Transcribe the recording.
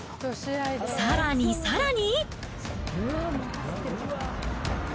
さらにさらに。